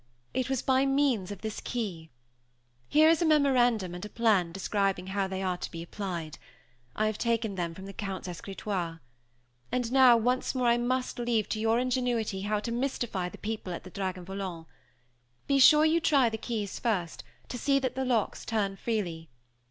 It was by means of this key. Here is a memorandum and a plan describing how they are to be applied. I have taken them from the Count's escritoire. And now, once more I must leave to your ingenuity how to mystify the people at the Dragon Volant. Be sure you try the keys first, to see that the locks turn freely.